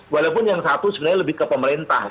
walaupun yang satu sebenarnya lebih ke pemerintah